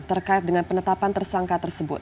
terkait dengan penetapan tersangka tersebut